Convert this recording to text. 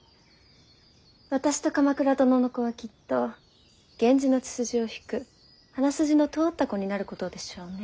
私と鎌倉殿の子はきっと源氏の血筋を引く鼻筋の通った子になることでしょうね。